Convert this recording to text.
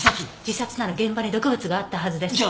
自殺なら現場に毒物があったはずです。